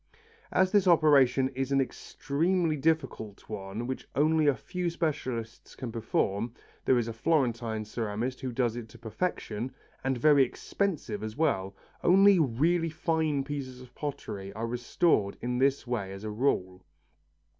As this operation is an extremely difficult one which only a few specialists can perform there is a Florentine ceramist who does it to perfection and very expensive as well, only really fine pieces of pottery are restored in this way as a rule.